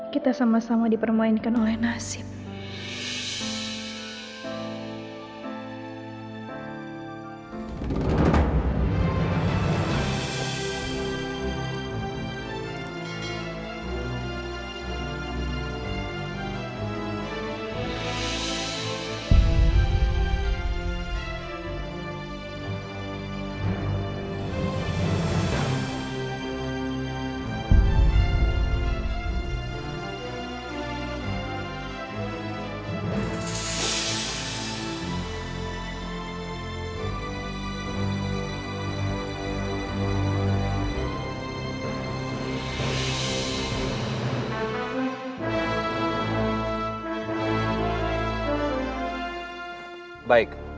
kita sama sama dipermainkan oleh nasib